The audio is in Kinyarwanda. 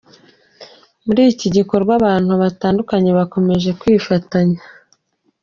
Muri iki gikorwa abantu batandukanye bakomeje kwifatanya